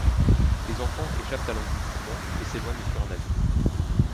Les enfants échappent à l'engloutissement et s'éloignent sur un navire.